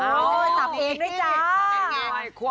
โอ้ยสับเองด้วยจ้า